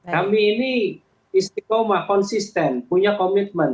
kami ini istiqomah konsisten punya komitmen